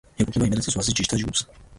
მიეკუთვნება იმერეთის ვაზის ჯიშთა ჯგუფს.